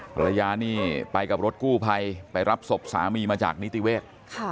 ภรรยานี่ไปกับรถกู้ภัยไปรับศพสามีมาจากนิติเวศ